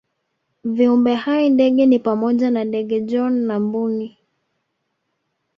Viumbe hai ndege ni pamoja na ndege John na Mbuni